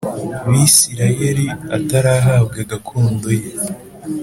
Bisirayeli atarahabwa gakondo ye